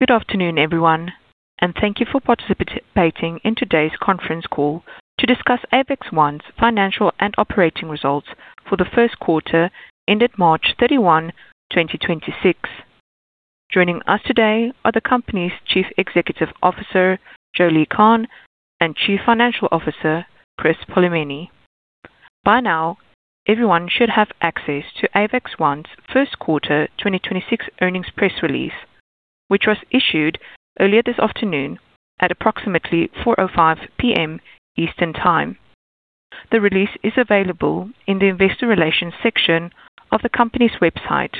Good afternoon, everyone, and thank you for participating in today's conference call to discuss Avax One's financial and operating results for the Q1 ended March 31st, 2026. Joining us today are the company's Chief Executive Officer, Jolie Kahn, and Chief Financial Officer, Chris Polimeni. By now, everyone should have access to Avax One's Q1 2026 earnings press release, which was issued earlier this afternoon at approximately 4:05 P.M. Eastern Time. The release is available in the investor relations section of the company's website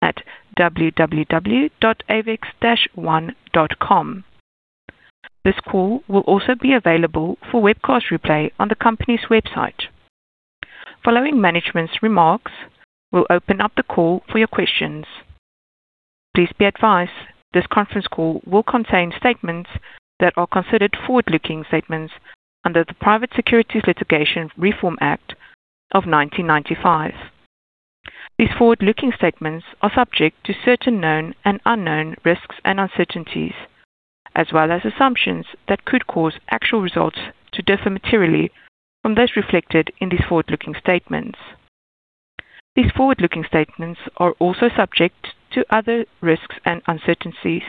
at www.avaxone.com. This call will also be available for webcast replay on the company's website. Following management's remarks, we'll open up the call for your questions. Please be advised this conference call will contain statements that are considered forward-looking statements under the Private Securities Litigation Reform Act of 1995. These forward-looking statements are subject to certain known and unknown risks and uncertainties, as well as assumptions that could cause actual results to differ materially from those reflected in these forward-looking statements. These forward-looking statements are also subject to other risks and uncertainties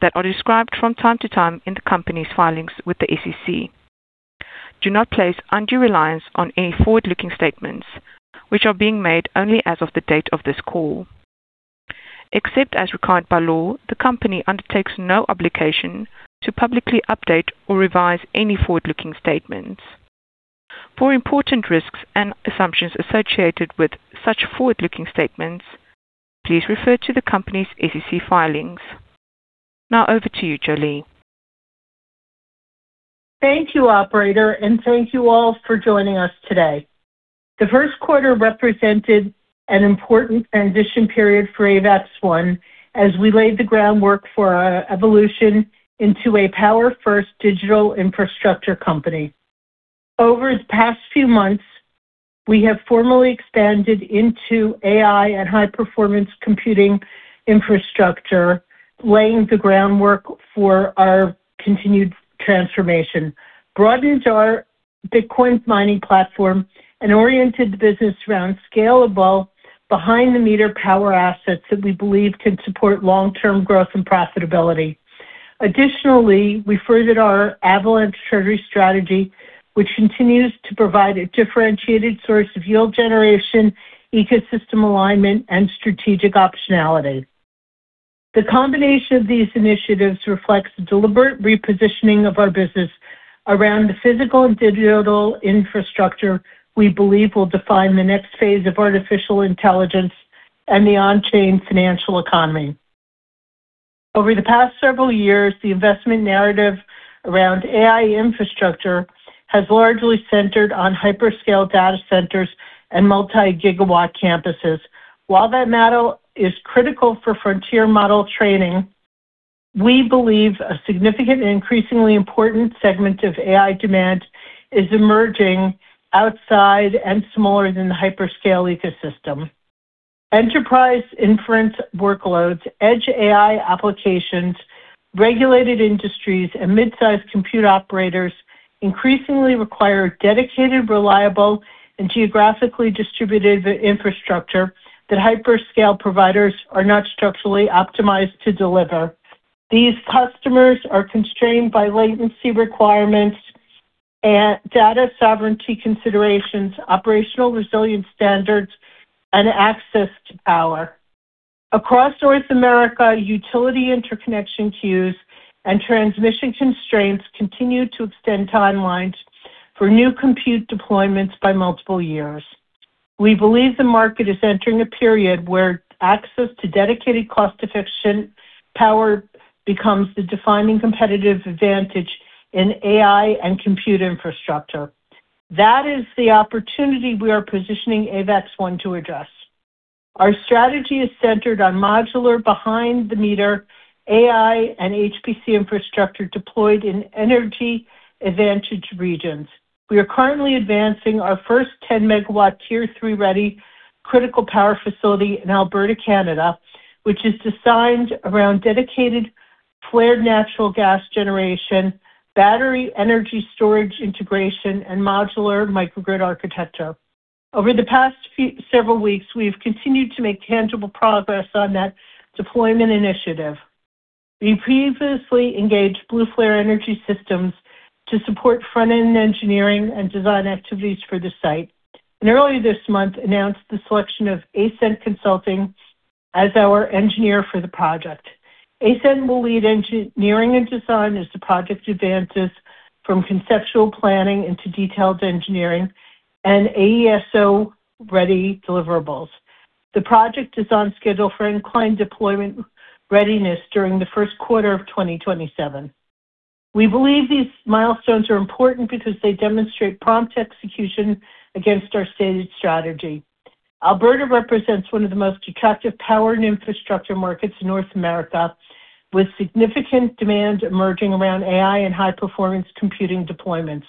that are described from time to time in the company's filings with the SEC. Do not place undue reliance on any forward-looking statements which are being made only as of the date of this call. Except as required by law, the company undertakes no obligation to publicly update or revise any forward-looking statements. For important risks and assumptions associated with such forward-looking statements, please refer to the company's SEC filings. Now over to you, Jolie. Thank you, operator, and thank you all for joining us today. The Q1 represented an important transition period for Avax One as we laid the groundwork for our evolution into a power-first digital infrastructure company. Over the past few months, we have formally expanded into AI and high-performance computing infrastructure, laying the groundwork for our continued transformation, broadened our Bitcoin mining platform, and oriented the business around scalable behind-the-meter power assets that we believe can support long-term growth and profitability. Additionally, we furthered our Avalanche treasury strategy, which continues to provide a differentiated source of yield generation, ecosystem alignment, and strategic optionality. The combination of these initiatives reflects the deliberate repositioning of our business around the physical and digital infrastructure we believe will define the next phase of artificial intelligence and the on-chain financial economy. Over the past several years, the investment narrative around AI infrastructure has largely centered on hyperscale data centers and multi-gigawatt campuses. While that matter is critical for frontier model training, we believe a significant and increasingly important segment of AI demand is emerging outside and smaller than the hyperscale ecosystem. Enterprise inference workloads, edge AI applications, regulated industries, and mid-sized compute operators increasingly require dedicated, reliable, and geographically distributed infrastructure that hyperscale providers are not structurally optimized to deliver. These customers are constrained by latency requirements and data sovereignty considerations, operational resilience standards, and access to power. Across North America, utility interconnection queues and transmission constraints continue to extend timelines for new compute deployments by multiple years. We believe the market is entering a period where access to dedicated cost-efficient power becomes the defining competitive advantage in AI and compute infrastructure. That is the opportunity we are positioning Avax One to address. Our strategy is centered on modular behind-the-meter AI and HPC infrastructure deployed in energy advantage regions. We are currently advancing our first 10-MW, Tier 3-ready critical power facility in Alberta, Canada, which is designed around dedicated flared natural gas generation, battery energy storage integration, and modular microgrid architecture. Over the past several weeks, we have continued to make tangible progress on that deployment initiative. We previously engaged BlueFlare Energy Solutions to support front-end engineering and design activities for the site and earlier this month announced the selection of Ascend Consulting as our engineer for the project. ASCEND will lead engineering and design as the project advances from conceptual planning into detailed engineering and AESO-ready deliverables. The project is on schedule for inclined deployment readiness during the Q1 of 2027. We believe these milestones are important because they demonstrate prompt execution against our stated strategy. Alberta represents one of the most attractive power and infrastructure markets in North America, with significant demand emerging around AI and high-performance computing deployments.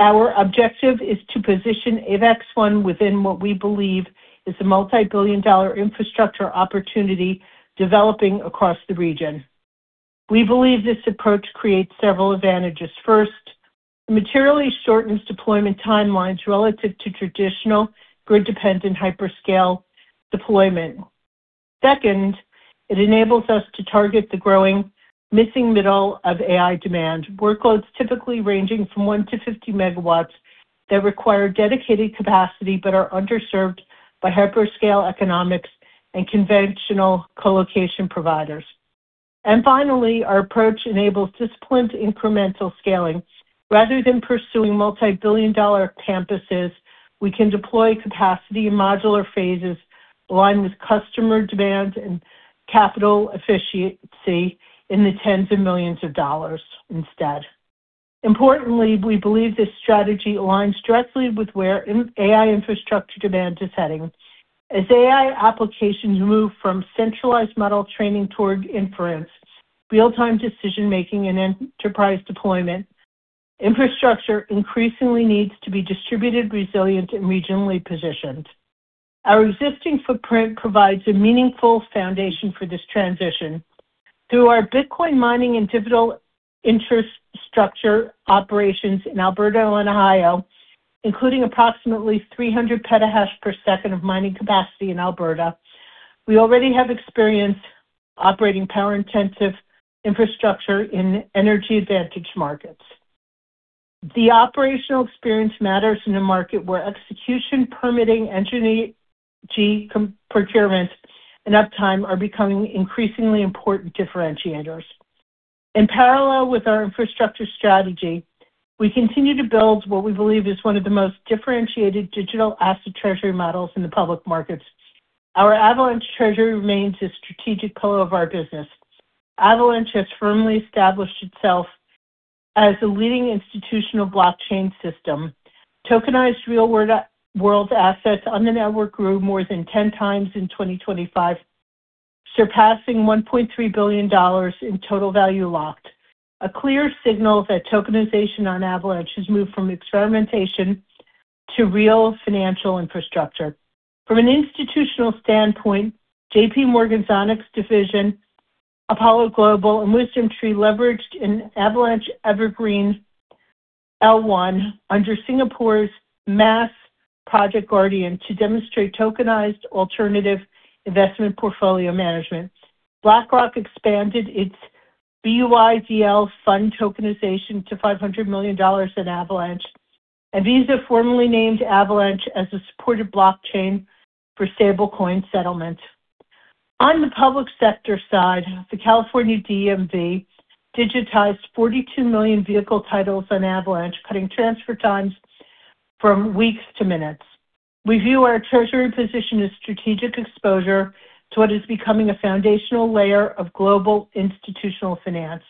Our objective is to position Avax One within what we believe is a multibillion-dollar infrastructure opportunity developing across the region. We believe this approach creates several advantages. First, it materially shortens deployment timelines relative to traditional grid-dependent hyperscale deployment. Second, it enables us to target the growing missing middle of AI demand, workloads typically ranging from one to 50 MW that require dedicated capacity but are underserved by hyperscale economics and conventional colocation providers. Finally, our approach enables disciplined incremental scaling. Rather than pursuing multibillion-dollar campuses, we can deploy capacity in modular phases aligned with customer demand and capital efficiency in the tens of millions of dollars instead. Importantly, we believe this strategy aligns directly with where AI infrastructure demand is heading. As AI applications move from centralized model training toward inference, real-time decision-making, and enterprise deployment, infrastructure increasingly needs to be distributed, resilient, and regionally positioned. Our existing footprint provides a meaningful foundation for this transition. Through our Bitcoin mining and digital infrastructure operations in Alberta and Ohio, including approximately 300 petahash per second of mining capacity in Alberta, we already have experience operating power-intensive infrastructure in energy advantage markets. The operational experience matters in a market where execution, permitting, energy procurement, and uptime are becoming increasingly important differentiators. In parallel with our infrastructure strategy, we continue to build what we believe is one of the most differentiated digital asset treasury models in the public markets. Our Avalanche treasury remains a strategic pillar of our business. Avalanche has firmly established itself as a leading institutional blockchain system. Tokenized real world assets on the network grew more than 10x in 2025, surpassing $1.3 billion in total value locked, a clear signal that tokenization on Avalanche has moved from experimentation to real financial infrastructure. From an institutional standpoint, JPMorgan's Onyx division, Apollo Global, and WisdomTree leveraged an Avalanche evergreen L1 under Singapore's MAS Project Guardian to demonstrate tokenized alternative investment portfolio management. BlackRock expanded its BUIDL fund tokenization to $500 million in Avalanche, and Visa formally named Avalanche as a supported blockchain for stablecoin settlement. On the public sector side, the California DMV digitized 42 million vehicle titles on Avalanche, cutting transfer times from weeks to minutes. We view our treasury position as strategic exposure to what is becoming a foundational layer of global institutional finance.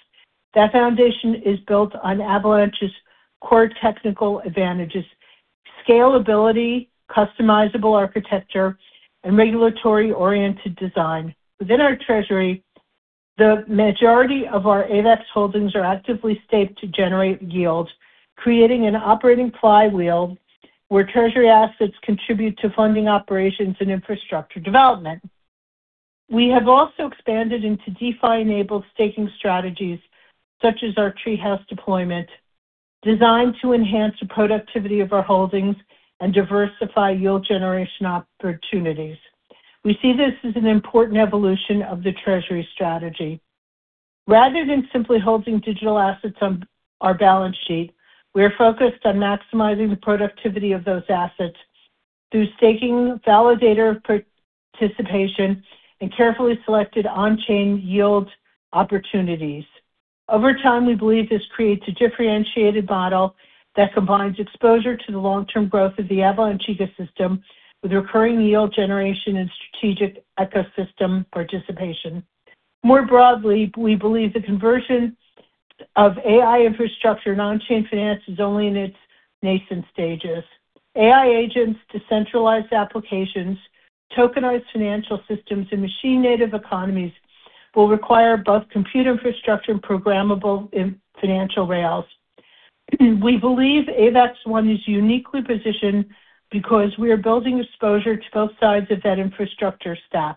That foundation is built on Avalanche's core technical advantages: scalability, customizable architecture, and regulatory-oriented design. Within our treasury, the majority of our AVAX holdings are actively staked to generate yield, creating an operating flywheel where treasury assets contribute to funding operations and infrastructure development. We have also expanded into DeFi-enabled staking strategies, such as our Treehouse deployment, designed to enhance the productivity of our holdings and diversify yield generation opportunities. We see this as an important evolution of the treasury strategy. Rather than simply holding digital assets on our balance sheet, we are focused on maximizing the productivity of those assets through staking validator participation and carefully selected on-chain yield opportunities. Over time, we believe this creates a differentiated model that combines exposure to the long-term growth of the Avalanche ecosystem with recurring yield generation and strategic ecosystem participation. More broadly, we believe the convergence of AI infrastructure and on-chain finance is only in its nascent stages. AI agents, decentralized applications, tokenized financial systems, and machine-native economies will require both compute infrastructure and programmable financial rails. We believe Avax One is uniquely positioned because we are building exposure to both sides of that infrastructure stack.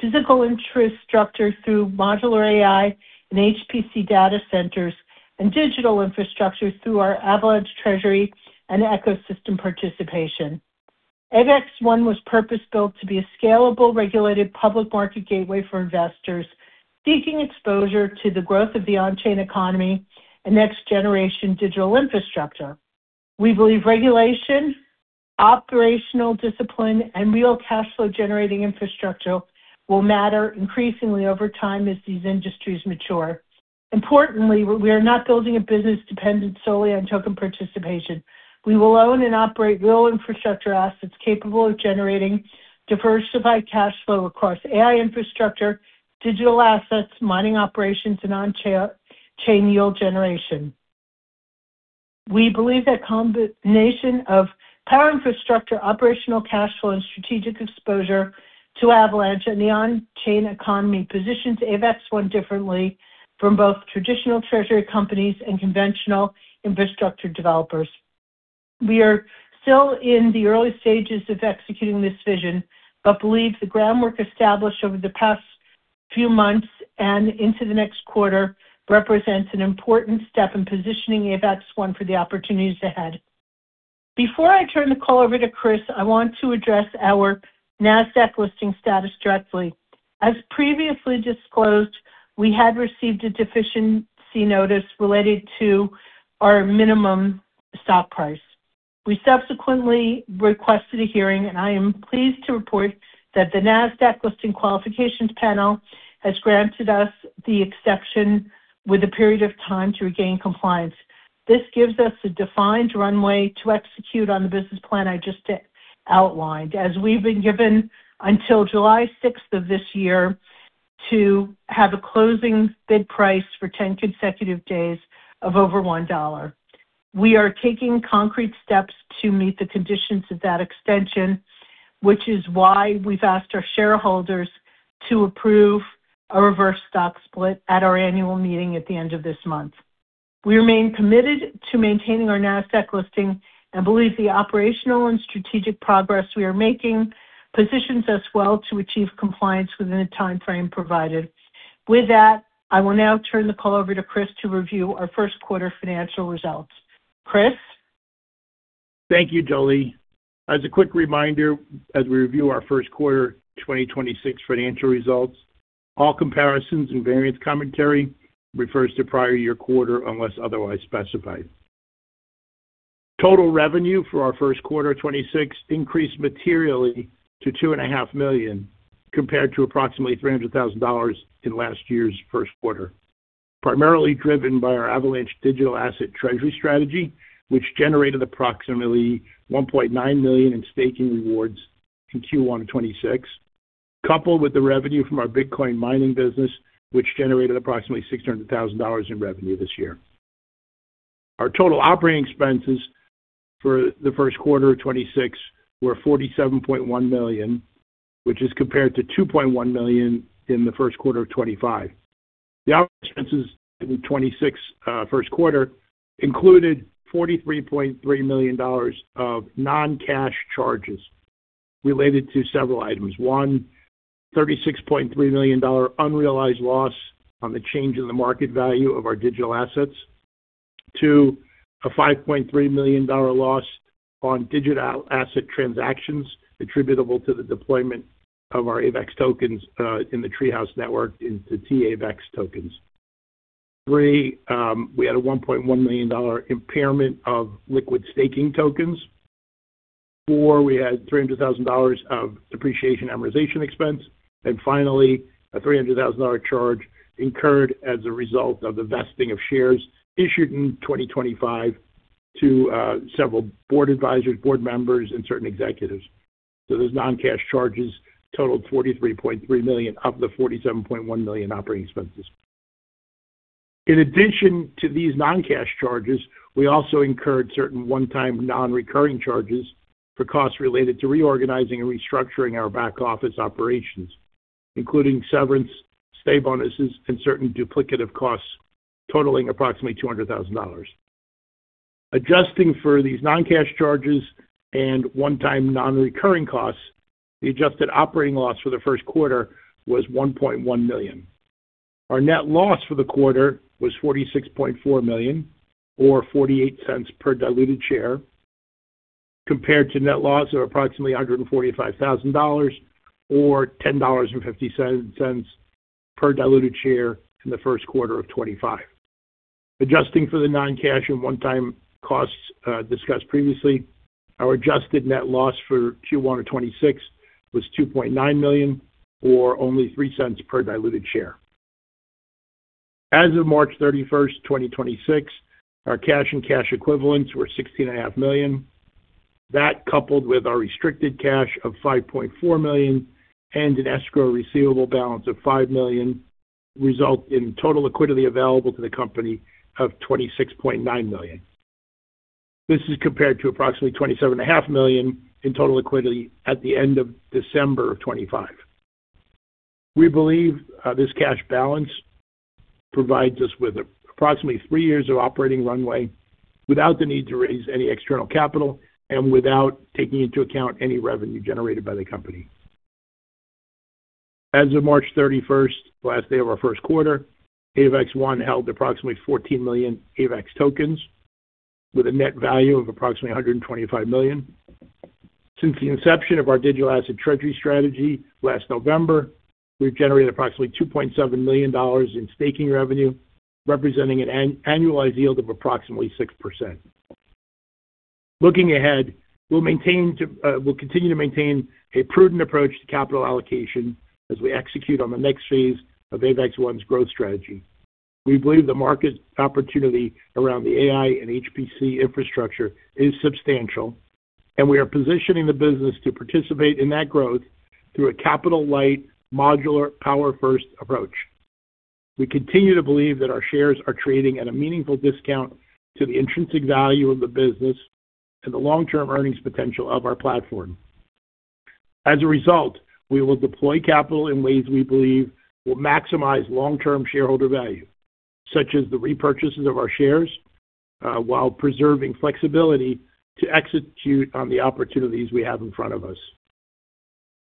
Physical infrastructure through modular AI and HPC data centers, and digital infrastructure through our Avalanche treasury and ecosystem participation. Avax One was purpose-built to be a scalable, regulated public market gateway for investors seeking exposure to the growth of the on-chain economy and next-generation digital infrastructure. We believe regulation, operational discipline, and real cash flow-generating infrastructure will matter increasingly over time as these industries mature. Importantly, we are not building a business dependent solely on token participation. We will own and operate real infrastructure assets capable of generating diversified cash flow across AI infrastructure, digital assets, mining operations, and on-chain yield generation. We believe that combination of power infrastructure, operational cash flow, and strategic exposure to Avalanche and the on-chain economy positions Avax One differently from both traditional treasury companies and conventional infrastructure developers. We are still in the early stages of executing this vision, but believe the groundwork established over the past few months and into the next quarter represents an important step in positioning Avax One for the opportunities ahead. Before I turn the call over to Chris, I want to address our Nasdaq listing status directly. As previously disclosed, we had received a deficiency notice related to our minimum stock price. We subsequently requested a hearing, and I am pleased to report that the Nasdaq Listing Qualifications Panel has granted us the exception with a period of time to regain compliance. This gives us a defined runway to execute on the business plan I just outlined. As we've been given until July 6th of this year to have a closing bid price for 10 consecutive days of over $1. We are taking concrete steps to meet the conditions of that extension, which is why we've asked our shareholders to approve a reverse stock split at our annual meeting at the end of this month. We remain committed to maintaining our Nasdaq listing and believe the operational and strategic progress we are making positions us well to achieve compliance within the timeframe provided. With that, I will now turn the call over to Chris to review our Q1 financial results. Chris? Thank you, Jolie. As a quick reminder, as we review our Q1 2026 financial results, all comparisons and variance commentary refers to prior year quarter unless otherwise specified. Total revenue for our Q1 2026 increased materially to $2.5 million compared to approximately $300,000 in last year's Q1. Primarily driven by our Avalanche digital-asset treasury strategy, which generated approximately $1.9 million in staking rewards in Q1 of 2026, coupled with the revenue from our Bitcoin mining business, which generated approximately $600,000 in revenue this year. Our total operating expenses for the Q1 of 2026 were $47.1 million, which is compared to $2.1 million in the Q1 of 2025. The operating expenses in the 2026 Q1 included $43.3 million of non-cash charges related to several items. One, $36.3 million unrealized loss on the change in the market value of our digital assets. Two, a $5.3 million loss on digital asset transactions attributable to the deployment of our AVAX tokens in the Treehouse network into tAVAX tokens. Three, we had a $1.1 million impairment of liquid staking tokens. Four, we had $300,000 of depreciation amortization expense. Finally, a $300,000 charge incurred as a result of the vesting of shares issued in 2025 to several board advisors, board members, and certain executives. Those non-cash charges totaled $43.3 million of the $47.1 million operating expenses. In addition to these non-cash charges, we also incurred certain one-time non-recurring charges for costs related to reorganizing and restructuring our back-office operations, including severance, stay bonuses, and certain duplicative costs totaling approximately $200,000. Adjusting for these non-cash charges and one-time non-recurring costs, the adjusted operating loss for the Q1 was $1.1 million. Our net loss for the quarter was $46.4 million or $0.48 per diluted share, compared to net loss of approximately $145,000 or $10.50 per diluted share in the Q1 of 2025. Adjusting for the non-cash and one-time costs discussed previously, our adjusted net loss for Q1 of 2026 was $2.9 million or only $0.03 per diluted share. As of March 31st, 2026, our cash and cash equivalents were $16.5 million. That, coupled with our restricted cash of $5.4 million and an escrow receivable balance of $5 million, result in total liquidity available to the company of $26.9 million. This is compared to approximately $27.5 million in total liquidity at the end of December of 2025. We believe this cash balance provides us with approximately three years of operating runway without the need to raise any external capital and without taking into account any revenue generated by the company. As of March 31st, last day of our Q1, Avax One held approximately 14 million AVAX tokens with a net value of approximately $125 million. Since the inception of our digital asset treasury strategy last November, we've generated approximately $2.7 million in staking revenue, representing an annualized yield of approximately 6%. Looking ahead, we'll continue to maintain a prudent approach to capital allocation as we execute on the next phase of Avax One's growth strategy. We believe the market opportunity around the AI and HPC infrastructure is substantial, and we are positioning the business to participate in that growth through a capital-light, modular, power-first approach. We continue to believe that our shares are trading at a meaningful discount to the intrinsic value of the business and the long-term earnings potential of our platform. As a result, we will deploy capital in ways we believe will maximize long-term shareholder value, such as the repurchases of our shares, while preserving flexibility to execute on the opportunities we have in front of us.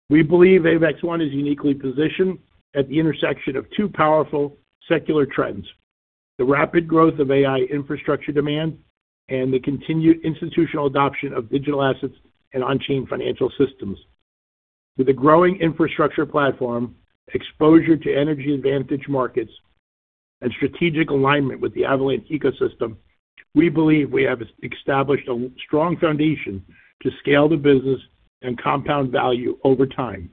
We believe Avax One is uniquely positioned at the intersection of two powerful secular trends: the rapid growth of AI infrastructure demand and the continued institutional adoption of digital assets and on-chain financial systems. With a growing infrastructure platform, exposure to energy advantage markets, and strategic alignment with the Avalanche ecosystem, we believe we have established a strong foundation to scale the business and compound value over time.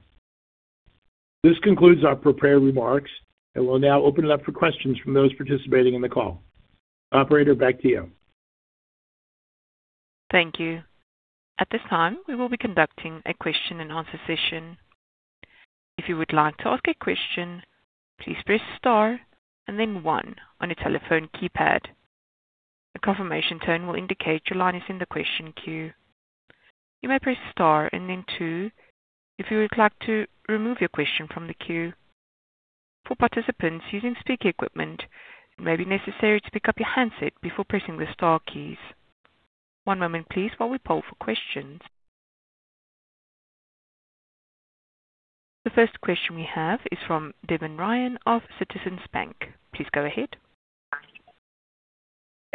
This concludes our prepared remarks, and we'll now open it up for questions from those participating in the call. Operator, back to you. Thank you. The first question we have is from Devin Ryan of Citizens Bank. Please go ahead.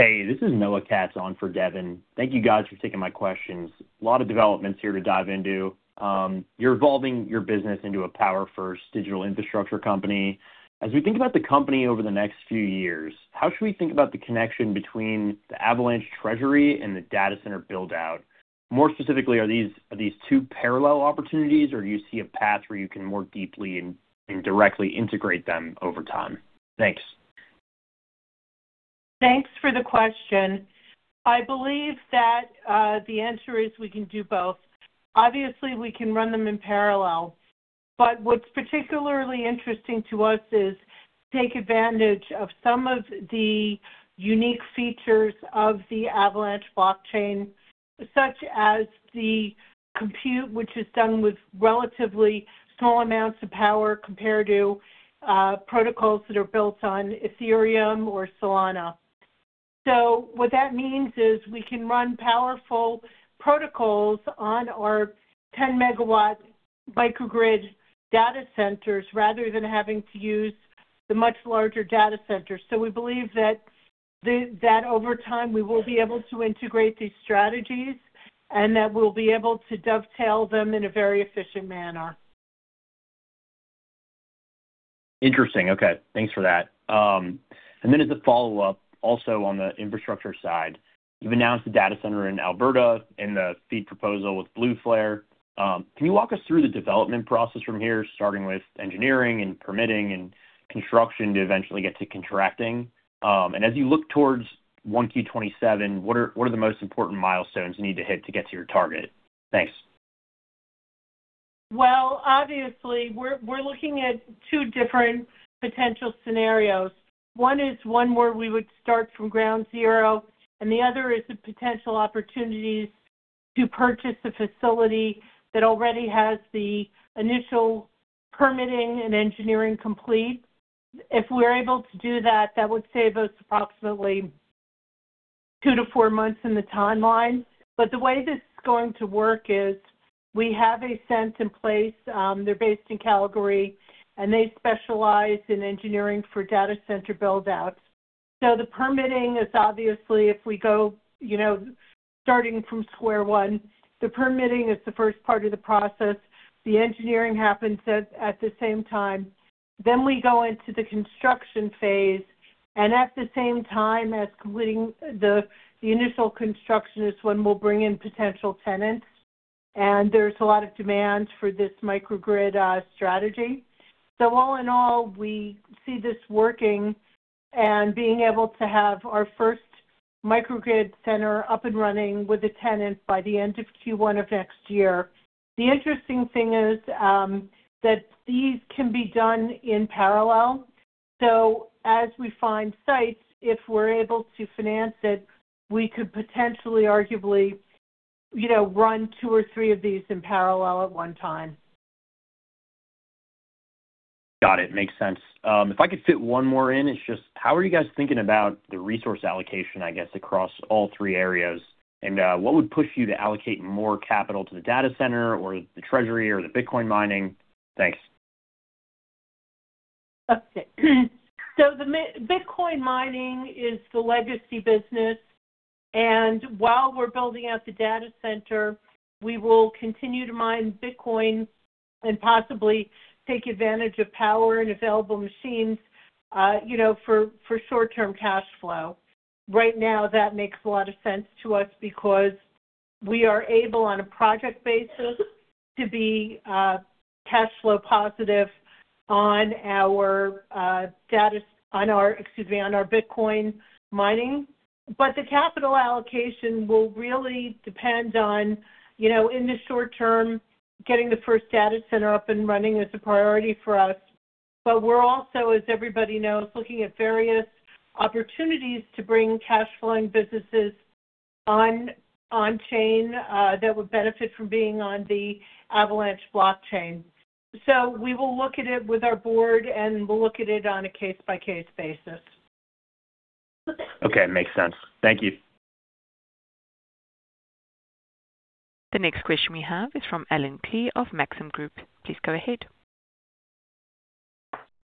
Hey, this is Noah Katz on for Devin. Thank you guys for taking my questions. A lot of developments here to dive into. You're evolving your business into a power-first digital infrastructure company. As we think about the company over the next few years, how should we think about the connection between the Avalanche treasury and the data center build-out? More specifically, are these two parallel opportunities, or do you see a path where you can more deeply and directly integrate them over time? Thanks. Thanks for the question. I believe that the answer is we can do both. Obviously, we can run them in parallel. What's particularly interesting to us is to take advantage of some of the unique features of the Avalanche blockchain, such as the compute, which is done with relatively small amounts of power compared to protocols that are built on Ethereum or Solana. What that means is we can run powerful protocols on our 10-megawatt microgrid data centers rather than having to use the much larger data centers. We believe that over time we will be able to integrate these strategies and that we'll be able to dovetail them in a very efficient manner. Interesting. Okay. Thanks for that. As a follow-up, also on the infrastructure side, you've announced a data center in Alberta and the FEED proposal with BlueFlare. Can you walk us through the development process from here, starting with engineering and permitting and construction to eventually get to contracting? As you look towards 1Q 2027, what are the most important milestones you need to hit to get to your target? Thanks. Well, obviously, we're looking at two different potential scenarios. One is one where we would start from ground zero, and the other is the potential opportunities to purchase a facility that already has the initial permitting and engineering complete. If we're able to do that would save us approximately two to four months in the timeline. The way this is going to work is we have ASCEND in place, they're based in Calgary, and they specialize in engineering for data center build-outs. The permitting is obviously if we go, you know, starting from square one, the permitting is the first part of the process. The engineering happens at the same time. We go into the construction phase, and at the same time as completing the initial construction is when we'll bring in potential tenants. There's a lot of demand for this microgrid strategy. All in all, we see this working and being able to have our first microgrid center up and running with a tenant by the end of Q1 of next year. The interesting thing is that these can be done in parallel. As we find sites, if we're able to finance it, we could potentially, arguably, you know, run two or three of these in parallel at one time. Got it. Makes sense. If I could fit one more in, it's just how are you guys thinking about the resource allocation, I guess, across all three areas? What would push you to allocate more capital to the data center or the treasury or the Bitcoin mining? Thanks. Okay. Bitcoin mining is the legacy business. While we're building out the data center, we will continue to mine Bitcoin and possibly take advantage of power and available machines, you know, for short-term cash flow. Right now, that makes a lot of sense to us because we are able, on a project basis, to be cash flow positive on our Bitcoin mining. The capital allocation will really depend on, you know, in the short term, getting the first data center up and running is a priority for us. We're also, as everybody knows, looking at various opportunities to bring cash flowing businesses on-chain that would benefit from being on the Avalanche blockchain. We will look at it with our board, and we'll look at it on a case-by-case basis. Okay. Makes sense. Thank you. The next question we have is from Allen Klee of Maxim Group. Please go ahead.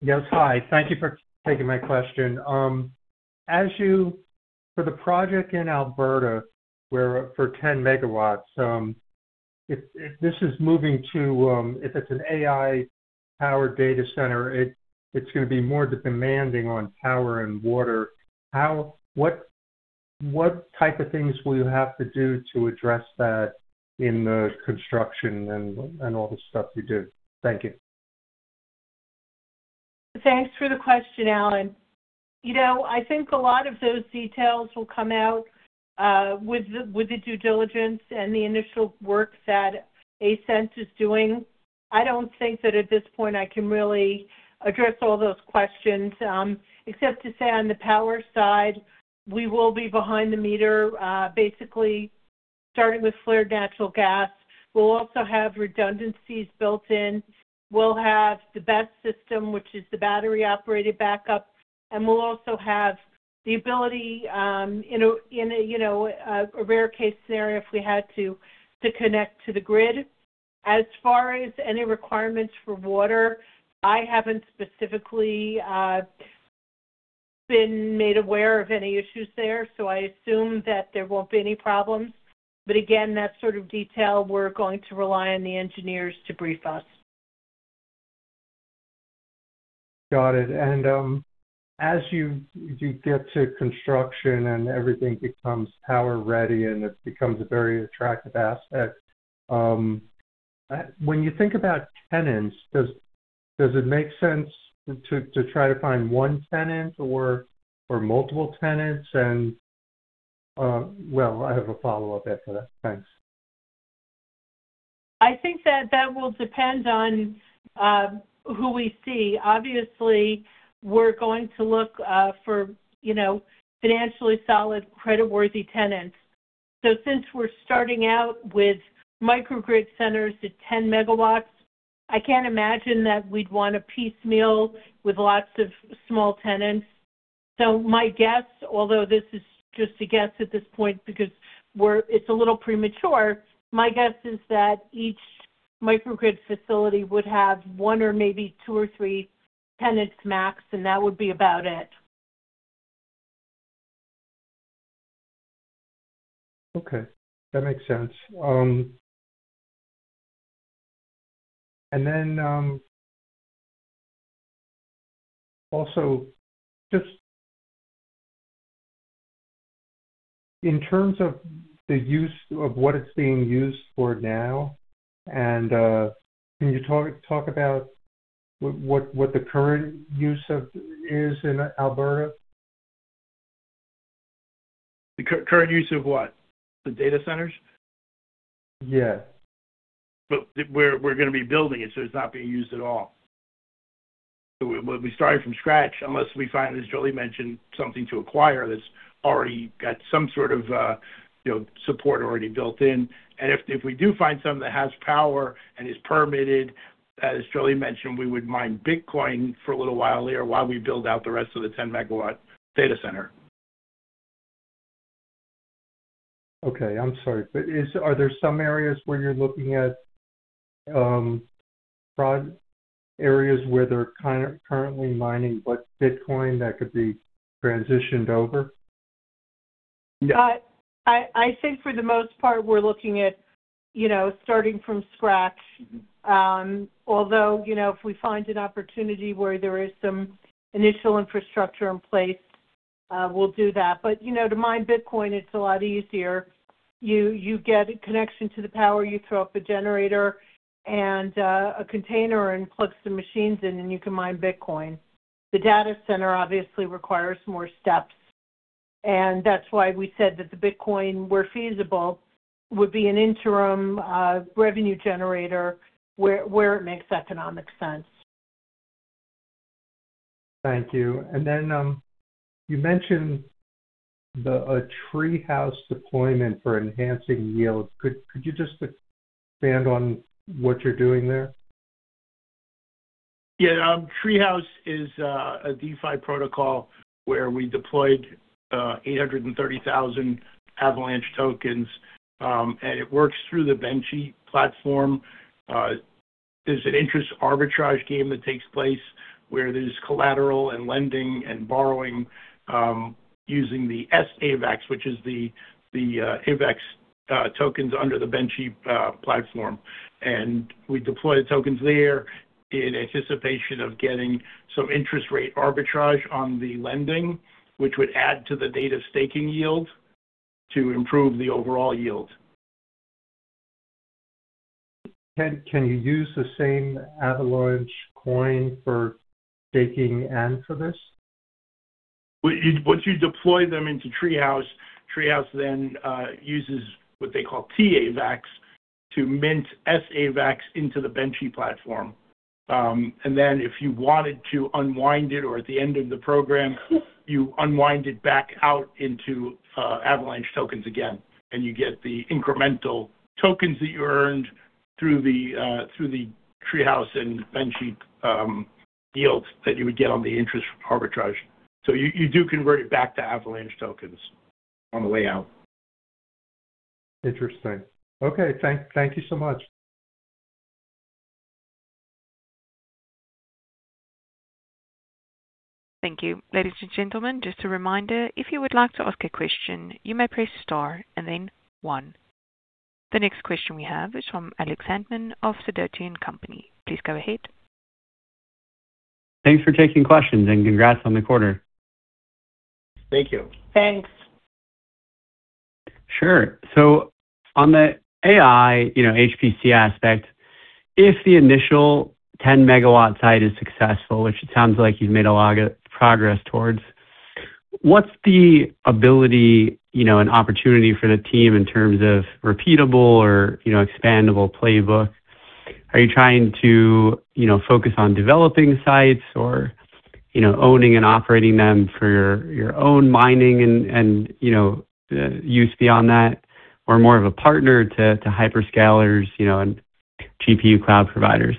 Yes. Hi. Thank you for taking my question. For the project in Alberta, where for 10 MW, if this is moving to, if it's an AI-powered data center, it's going to be more demanding on power and water, what type of things will you have to do to address that in the construction and all the stuff you do? Thank you. Thanks for the question, Allen. You know, I think a lot of those details will come out with the due diligence and the initial works that ASCEND is doing. I don't think that at this point I can really address all those questions, except to say on the power side, we will be behind-the-meter, basically starting with flared natural gas. We'll also have redundancies built in. We'll have the BESS system, which is the battery-operated backup, and we'll also have the ability, in a, you know, a rare case scenario if we had to connect to the grid. As far as any requirements for water, I haven't specifically been made aware of any issues there, so I assume that there won't be any problems. Again, that sort of detail, we're going to rely on the engineers to brief us. Got it. As you get to construction and everything becomes power-ready and it becomes a very attractive asset, when you think about tenants, does it make sense to try to find one tenant or multiple tenants? Well, I have a follow-up after that. Thanks. I think that that will depend on who we see. Obviously, we're going to look for, you know, financially solid, credit-worthy tenants. Since we're starting out with microgrid centers at 10 MW, I can't imagine that we'd want to piecemeal with lots of small tenants. My guess, although this is just a guess at this point because it's a little premature, my guess is that each microgrid facility would have one or maybe two or three tenants max, and that would be about it. Okay. That makes sense. Also just in terms of the use of what it's being used for now, can you talk about what the current use of is in Alberta? The current use of what? The data centers? Yes. We're gonna be building it, so it's not being used at all. We'll be starting from scratch unless we find, as Jolie mentioned, something to acquire that's already got some sort of, you know, support already built in. If we do find something that has power and is permitted, as Jolie mentioned, we would mine Bitcoin for a little while there while we build out the rest of the 10-megawatt data center. Okay. I'm sorry, but Are there some areas where you're looking at areas where they're currently mining Bitcoin that could be transitioned over? Yeah. I think for the most part we're looking at, you know, starting from scratch. Although, you know, if we find an opportunity where there is some initial infrastructure in place, we'll do that. You know, to mine Bitcoin, it's a lot easier. You get a connection to the power, you throw up a generator and a container and plug some machines in, and you can mine Bitcoin. The data center obviously requires more steps, and that's why we said that the Bitcoin, where feasible, would be an interim revenue generator where it makes economic sense. Thank you. Then, you mentioned the Treehouse deployment for enhancing yields. Could you just expand on what you're doing there? Yeah. Treehouse is a DeFi protocol where we deployed 830,000 Avalanche tokens. It works through the BENQI platform. There's an interest arbitrage game that takes place where there's collateral and lending and borrowing, using the sAVAX, which is the AVAX tokens under the BENQI platform. We deploy the tokens there in anticipation of getting some interest rate arbitrage on the lending, which would add to the data staking yield to improve the overall yield. Can you use the same Avalanche coin for staking and for this? Once you deploy them into Treehouse then uses what they call tAVAX to mint sAVAX into the BENQI platform. Then if you wanted to unwind it or at the end of the program, you unwind it back out into AVAX tokens again, and you get the incremental tokens that you earned through the Treehouse and BENQI yields that you would get on the interest arbitrage. You do convert it back to AVAX tokens on the way out. Interesting. Okay. Thank you so much. Thank you. Ladies and gentlemen, just a reminder, if you would like to ask a question, you may press star and then one. The next question we have is from Alex Hantman of Sidoti & Company. Please go ahead. Thanks for taking questions, and congrats on the quarter. Thank you. Thanks. Sure. On the AI, you know, HPC aspect, if the initial 10 MW site is successful, which it sounds like you've made a lot of progress towards, what's the ability, you know, and opportunity for the team in terms of repeatable or, you know, expandable playbook? Are you trying to, you know, focus on developing sites or, you know, owning and operating them for your own mining and, you know, use beyond that, or more of a partner to hyperscalers, you know, and GPU cloud providers?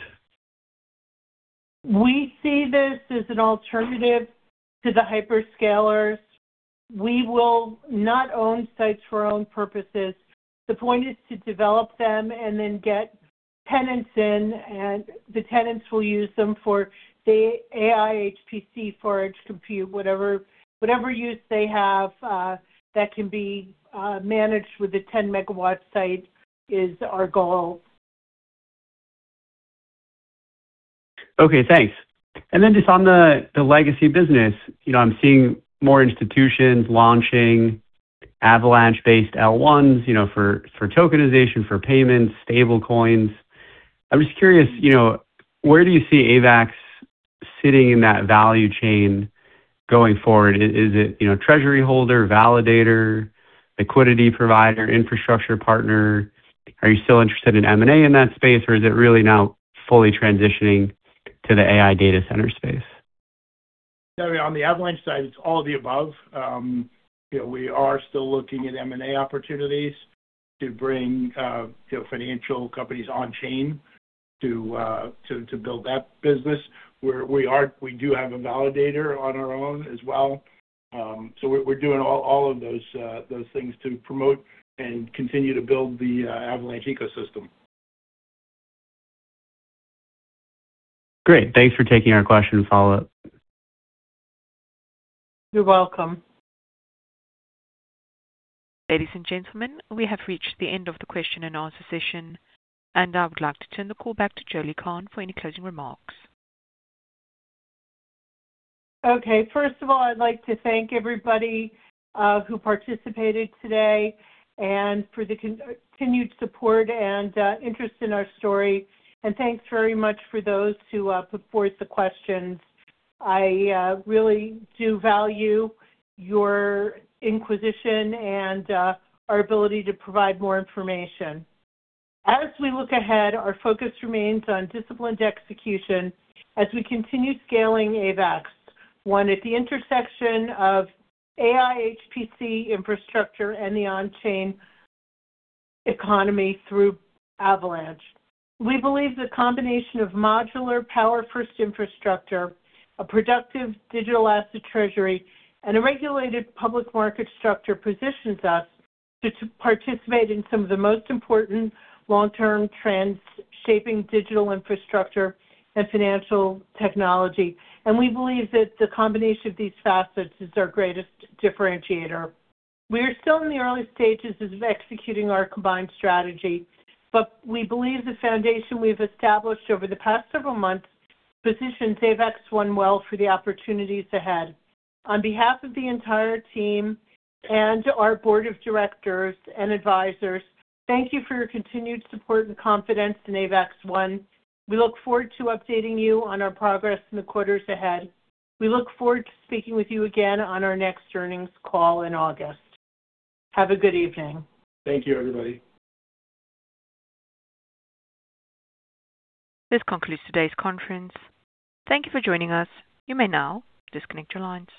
We see this as an alternative to the hyperscalers. We will not own sites for our own purposes. The point is to develop them and then get tenants in, and the tenants will use them for the AI, HPC, forge, compute, whatever use they have, that can be managed with the 10-megawatt site is our goal. Okay, thanks. Just on the legacy business, you know, I'm seeing more institutions launching Avalanche-based L1s, you know, for tokenization, for payments, stablecoins. I'm just curious, you know, where do you see AVAX sitting in that value chain going forward? Is it, you know, treasury holder, validator, liquidity provider, infrastructure partner? Are you still interested in M&A in that space, or is it really now fully transitioning to the AI data center space? On the Avalanche side, it's all of the above. You know, we are still looking at M&A opportunities to bring, you know, financial companies on-chain to build that business. We do have a validator on our own as well. We're doing all of those things to promote and continue to build the Avalanche ecosystem. Great. Thanks for taking our question and follow-up. You're welcome. Ladies and gentlemen, we have reached the end of the question and answer session, and I would like to turn the call back to Jolie Kahn for any closing remarks. Okay. First of all, I'd like to thank everybody who participated today and for the continued support and interest in our story. Thanks very much for those who put forward the questions. I really do value your inquisition and our ability to provide more information. As we look ahead, our focus remains on disciplined execution as we continue scaling Avax One, at the intersection of AI HPC infrastructure and the on-chain economy through Avalanche. We believe the combination of modular power-first infrastructure, a productive digital asset treasury, and a regulated public market structure positions us to participate in some of the most important long-term trends shaping digital infrastructure and financial technology. We believe that the combination of these facets is our greatest differentiator. We are still in the early stages of executing our combined strategy, but we believe the foundation we've established over the past several months positions Avax One well for the opportunities ahead. On behalf of the entire team and our board of directors and advisors, thank you for your continued support and confidence in Avax One. We look forward to updating you on our progress in the quarters ahead. We look forward to speaking with you again on our next earnings call in August. Have a good evening. Thank you, everybody. This concludes today's conference. Thank you for joining us. You may now disconnect your lines.